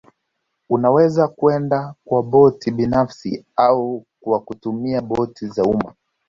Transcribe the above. Unaweza kwenda kwa boti binafsi au kwa kutumia boti za umma